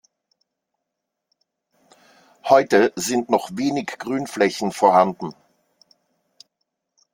Heute sind noch wenig Grünflächen vorhanden.